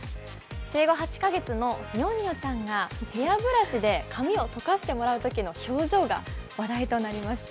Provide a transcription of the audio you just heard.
生後８か月のにょんにょちゃんがヘアブラシで髪をとかしてもらうときの表情が話題となりました。